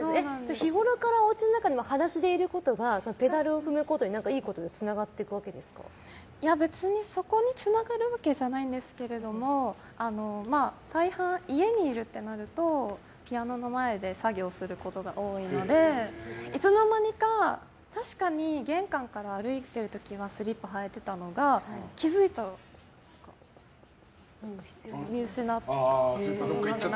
日ごろから、おうちの中でも裸足でいることはペダルを踏むことでいいことに別に、そこにつながるわけじゃないんですけど大半、家にいるってなるとピアノの前で作業することが多いので、いつの間にか確かに玄関から歩いている時はスリッパを履いてたのが気づいたら見失っている。